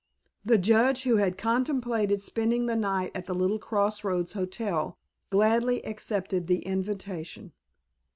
The Judge, who had contemplated spending the night at the little cross roads hotel, gladly accepted the invitation.